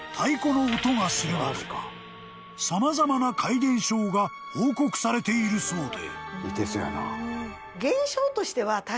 ［様々な怪現象が報告されているそうで］